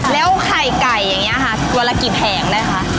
แล้วไข่ไก่อย่างนี้ค่ะวันละกี่แผงได้คะ